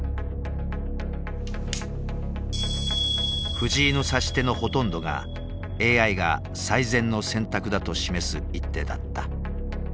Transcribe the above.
藤井の指し手のほとんどがＡＩが最善の選択だと示す一手だった。